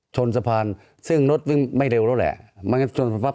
ชนสะพานซึ่งรถวิ่งไม่เร็วแล้วแหละ